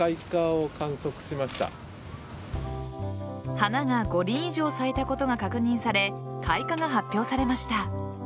花が５輪以上咲いたことが確認され、開花が発表されました。